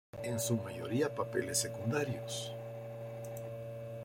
Ha aparecido en varias películas, en su mayoría papeles secundarios.